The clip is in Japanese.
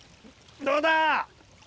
どうだ！